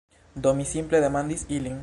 Do, mi simple demandis ilin